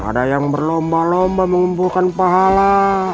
ada yang berlomba lomba mengumpulkan pahala